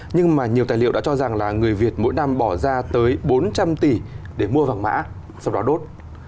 nhưng mà nhiều tài liệu đã cho rằng là người việt mỗi năm bỏ ra tới bốn trăm linh tỷ để mua vàng mã sau đó đốt